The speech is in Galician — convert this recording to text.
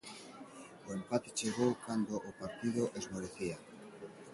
O empate chegou cando o partido esmorecía.